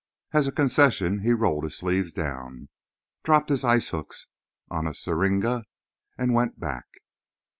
As a concession he rolled his sleeves down, dropped his icehooks on a syringa and went back.